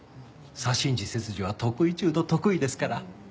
左心耳切除は得意中の得意ですから。